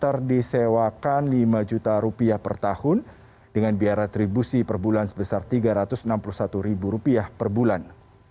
daftar disewakan lima juta rupiah per tahun dengan biaya retribusi per bulan sebesar rp tiga ratus enam puluh satu per bulan